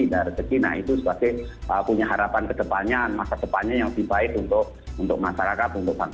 nah rezeki itu sebagai punya harapan kedepannya masa depannya yang lebih baik untuk masyarakat untuk bangsa dan negara paling tidak itu mbak